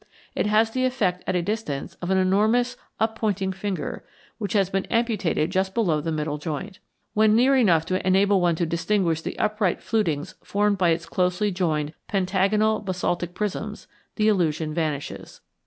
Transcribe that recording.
It has the effect at a distance of an enormous up pointing finger which has been amputated just below the middle joint. When near enough to enable one to distinguish the upright flutings formed by its closely joined pentagonal basaltic prisms, the illusion vanishes.